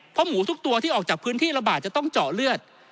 เพราะหมูทุกตัวที่ออกจากพื้นที่ระบาดจะต้องเจาะเลือด